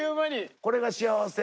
これが幸せな。